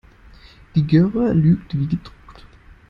Die Göre lügt wie gedruckt.